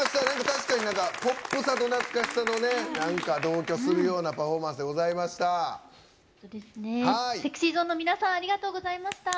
確かにポップさと懐かしさの同居するようなパフォーマンスでございました。